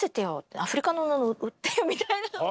アフリカの布売ってよみたいな。